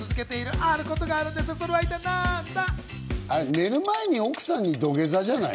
寝る前に奥さんに土下座じゃない？